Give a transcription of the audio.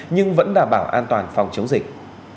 nhưng vẫn đảm bảo an toàn phòng chống dịch